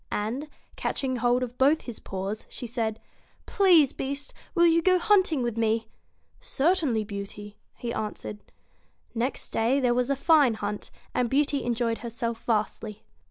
and, catching hold of both his paws, she said :* Please, Beast ! will you go hunting with me ?' 1 Certainly, Beauty 1 ' he answered. Next day there was a fine hunt, and Beauty enjoyed herself vastly.